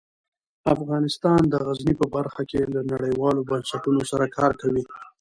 افغانستان د غزني په برخه کې له نړیوالو بنسټونو سره کار کوي.